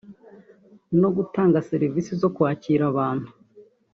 no gutanga serivisi zo kwakira abantu